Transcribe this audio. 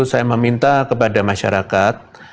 saya meminta kepada masyarakat